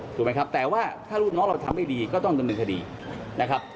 ถูกไหมครับแต่ว่าถ้าลูกน้องเราทำไม่ดีก็ต้องดำเนินคดีนะครับ